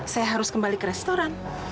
saya harus kembali ke restoran